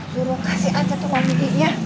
suruh kasih aja tuh ngomonginnya